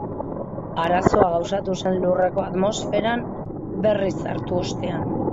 Arazoa gauzatu zen lurreko atmosferan berriz sartu ostean.